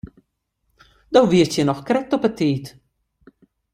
Do wiest hjir noch krekt op 'e tiid.